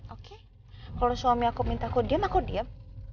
oke kalau suami aku minta aku diem aku diem